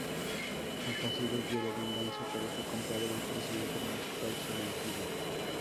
El cacique quiere venganza pero su compadre, el presidente municipal, se lo impide.